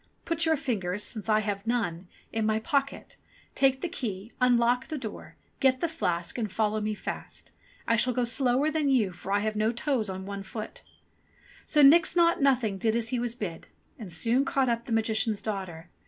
Put your fingers, since I have none, in my pocket, take the key, unlock the door, get the flask, and follow me fast. I shall go slower than you for I have no toes on one foot !" So Nix Naught Nothing did as he was bid, and soon caught up the Magician's daughter.